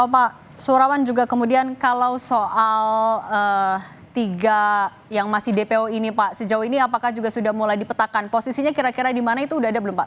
pak surawan juga kemudian kalau soal tiga yang masih dpo ini pak sejauh ini apakah juga sudah mulai dipetakan posisinya kira kira di mana itu sudah ada belum pak